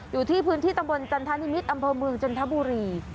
อยู่ที่พื้นที่ตำบลจันทนิมิตรอำเภอเมืองจันทบุรี